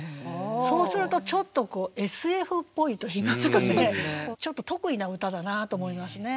そうするとちょっとこうＳＦっぽいといいますかねちょっと特異な歌だなと思いますね。